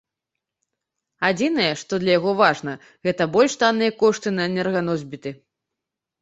Адзінае, што для яго важна, гэта больш танныя кошты на энерганосьбіты.